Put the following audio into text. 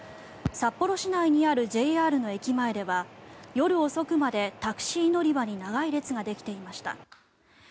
札幌市内にあるＪＲの駅前では夜遅くまでタクシー乗り場に長い列ができていました。